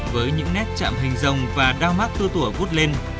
với những nét chạm hình dòng và đao mát tua tủa vút lên